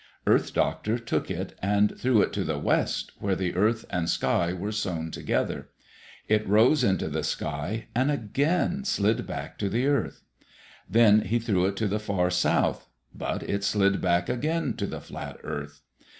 Earth Doctor took it and threw it to the west where the earth and sky were sewn together. It rose into the sky and again slid back to the earth. Then he threw it to the far south, but it slid back again to the flat earth.